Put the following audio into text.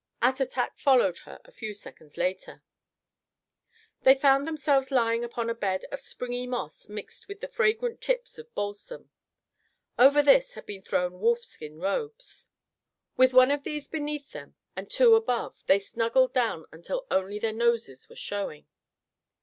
Attatak followed her a few seconds later. They found themselves lying upon a bed of springy moss mixed with the fragrant tips of balsam. Over this had been thrown wolfskin robes. With one of these beneath them, and two above, they snuggled down until only their noses were showing.